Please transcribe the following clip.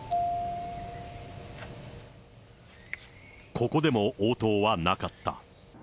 ここでも応答はなかった。